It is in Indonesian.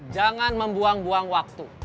jangan membuang buang waktu